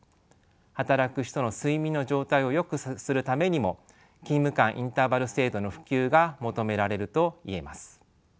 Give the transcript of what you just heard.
働く人の睡眠の状態をよくするためにも勤務間インターバル制度の普及が求められると言えます。